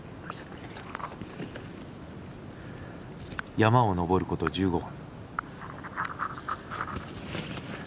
山を登ること１５分。